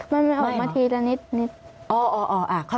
ไม่มันออกมาทีละนิดไม่เหรอ